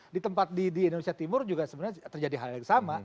di tempat di indonesia timur juga sebenarnya terjadi hal yang sama